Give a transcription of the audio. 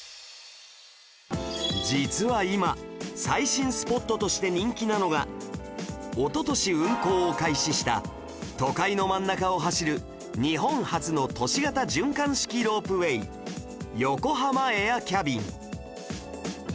実は今最新スポットとして人気なのがおととし運行を開始した都会の真ん中を走る日本初の都市型循環式ロープウェイ ＹＯＫＯＨＡＭＡＡＩＲＣＡＢＩＮ